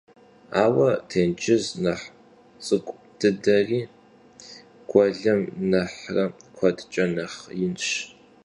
Aue têncız nexh ts'ık'u dıderi guelım nexhre kuedç'e nexh yinş.